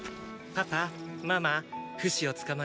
パパママ！